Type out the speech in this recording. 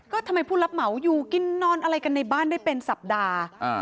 ก็ทำไมผู้รับเหมาอยู่กินนอนอะไรกันในบ้านได้เป็นสัปดาห์